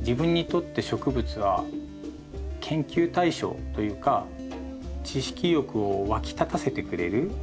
自分にとって植物は研究対象というか知識欲をわき立たせてくれる。